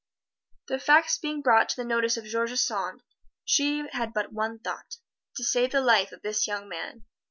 The facts being brought to the notice of George Sand, she had but one thought to save the life of this young man.